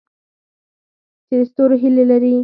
چې د ستورو هیلې لري؟